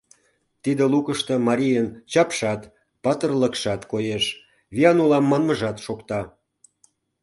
Тиде лукышто марийын чапшат, патырлыкшат коеш, «виян улам» манмыжат шокта.